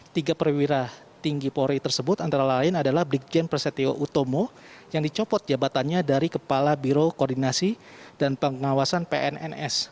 tiga perwira tinggi polri tersebut antara lain adalah brigjen presetio utomo yang dicopot jabatannya dari kepala biro koordinasi dan pengawasan pns